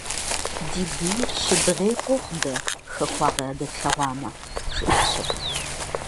- Ди бийр щыдгъей къохъу дэ, хахуагъэ ядэтлъэгъуамэ, - жиӀащ абы.